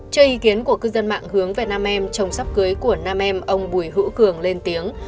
chơi ý kiến của cư dân mạng hướng về nam em trồng sắp cưới của nam em ông bùi hữu cường lên tiếng